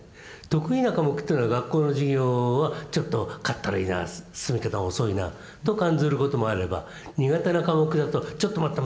得意な科目というのは学校の授業はちょっとかったるいな進み方遅いなと感ずることもあれば苦手な科目だとちょっと待った！